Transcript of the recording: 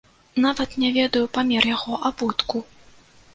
Нават не ведае памер яго абутку.